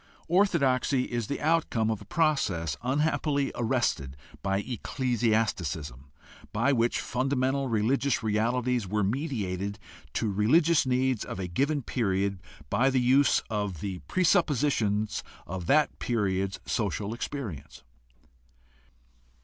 Orthodoxy is the outcome of a process, unhappily arrested by ecclesiasticism, by which fundamental religious realities were mediated to religious needs of a given period by the use of the presuppositions of that period's social experience.